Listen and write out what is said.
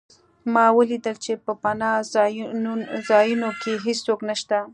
ما ولیدل چې په پناه ځایونو کې هېڅوک نشته